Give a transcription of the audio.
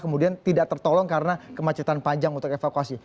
kemudian tidak tertolong karena kemacetan panjang untuk evakuasi